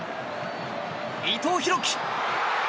伊藤洋輝！